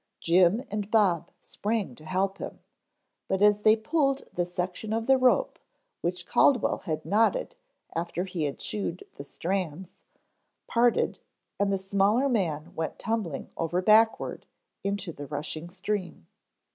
Jim and Bob sprang to help him, but as they pulled the section of the rope which Caldwell had knotted after he had chewed the strands, parted, and the smaller man went tumbling over backward into the rushing stream.